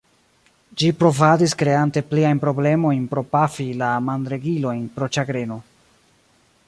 Ĝi provadis, kreante pliajn problemojn pro pafi la manregilojn pro ĉagreno.